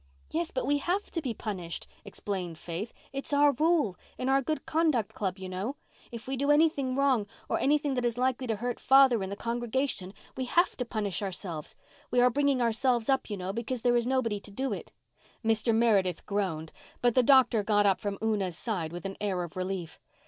"Yes, but we had to be punished," explained Faith. "It's our rule—in our Good Conduct Club, you know—if we do anything wrong, or anything that is likely to hurt father in the congregation, we have to punish ourselves. We are bringing ourselves up, you know, because there is nobody to do it." Mr. Meredith groaned, but the doctor got up from Una's side with an air of relief.